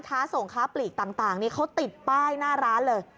ค้าส่งค้าปลีกต่างนี่เขาติดป้ายหน้าร้านเลย